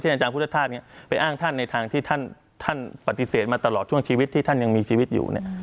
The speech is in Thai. อาจารย์พุทธธาตุเนี่ยไปอ้างท่านในทางที่ท่านปฏิเสธมาตลอดช่วงชีวิตที่ท่านยังมีชีวิตอยู่เนี่ย